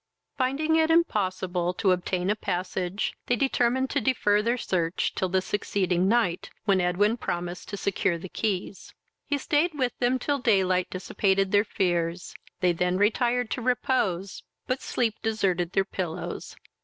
Finding it impossible to obtain a passage, they determined to defer their search till the succeeding night, when Edwin promised to secure the keys. He stayed with them till daylight dissipated their fears; they then retired to repose; but sleep deserted their pillows.